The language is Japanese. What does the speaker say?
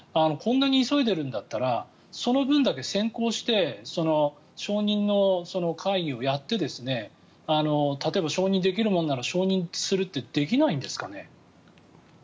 こんなに急いでるんだったらその分だけ先行して承認の会議をやって例えば承認できるものは承認するってできないんですかね？